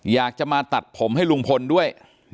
อยากจะมาตัดผมให้ลุงพลด้วย